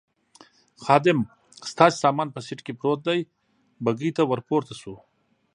خادم: ستاسې سامان په سېټ کې پروت دی، بګۍ ته ور پورته شوو.